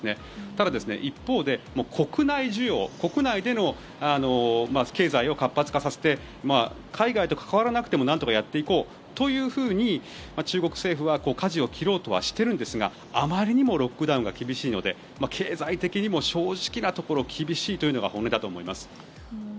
ただ一方で、国内需要国内での経済を活発化させて海外と関わらなくてもなんとかやっていこうというふうに中国政府は、かじを切ろうとはしているんですがあまりにもロックダウンが厳しいので経済的にも正直なところ厳しいというのが本音だと思います。